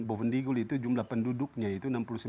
bovendigul itu jumlah penduduknya itu